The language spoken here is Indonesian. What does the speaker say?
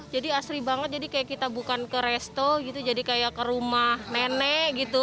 jadi asri banget jadi kayak kita bukan ke resto gitu jadi kayak ke rumah nenek gitu